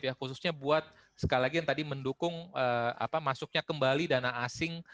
khususnya buat sekali lagi yang tadi mendukung masuknya kembali dana asing